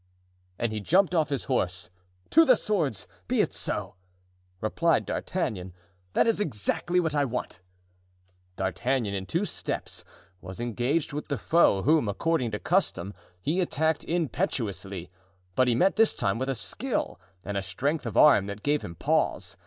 And he jumped off his horse. "To the swords! be it so!" replied D'Artagnan; "that is exactly what I want." D'Artagnan, in two steps, was engaged with the foe, whom, according to custom, he attacked impetuously, but he met this time with a skill and a strength of arm that gave him pause.